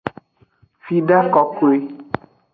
Fida kokoe.